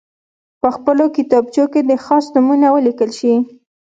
په خپلو کتابچو کې دې خاص نومونه ولیکل شي.